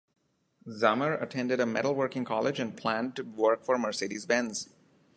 Zammar attended a metalworking college and planned to work for Mercedes-Benz.